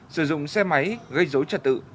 sử dụng xe máy gây dối trật tự